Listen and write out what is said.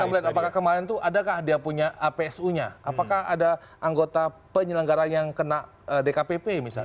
kita melihat apakah kemarin itu adakah dia punya apsu nya apakah ada anggota penyelenggara yang kena dkpp misalnya